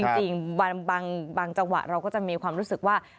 จริงบางจังหวะเราก็จะมีความรู้สึกว่า